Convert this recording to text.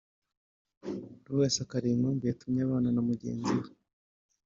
buri wese akareba impamvu yatumye abana na mugenzi we